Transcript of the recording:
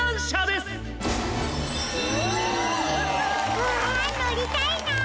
うわのりたいな。